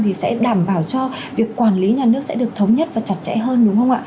thì sẽ đảm bảo cho việc quản lý nhà nước sẽ được thống nhất và chặt chẽ hơn đúng không ạ